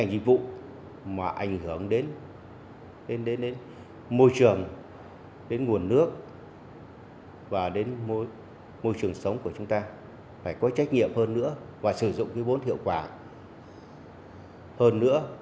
dịch vụ mà ảnh hưởng đến môi trường đến nguồn nước và đến môi trường sống của chúng ta phải có trách nhiệm hơn nữa và sử dụng cái vốn hiệu quả hơn nữa